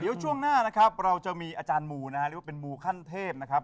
เดี๋ยวช่วงหน้านะครับเราจะมีอาจารย์มูนะฮะเรียกว่าเป็นมูขั้นเทพนะครับ